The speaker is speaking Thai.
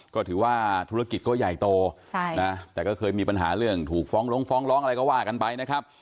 ก็ถือว่าธุรกิจก็ใหญ่โตแต่ก็เคยมีปัญหาเรื่องถูกฟ้องลงฟ้องร้องอะไรก็ว่ากันไปนะครับ